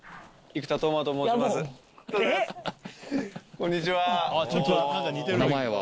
こんにちは。